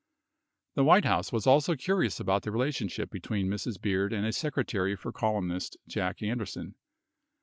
67 The White House was also curious about the relationship between Mrs. Beard and a secretary for columnist Jack Anderson.